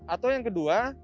atau yang kedua